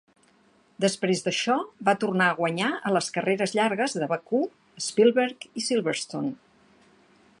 Després d'això, va tornar a guanyar a les carreres llargues de Bakú, Spielberg i Silverstone.